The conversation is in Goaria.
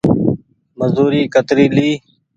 مزوري ڪتري ليئي ۔